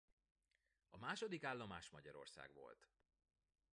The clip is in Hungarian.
A második állomás Magyarország volt.